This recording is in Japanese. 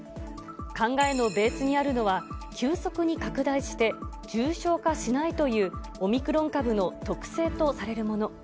考えのベースにあるのは、急速に拡大して、重症化しないというオミクロン株の特性とされるもの。